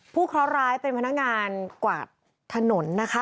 เคราะหร้ายเป็นพนักงานกวาดถนนนะคะ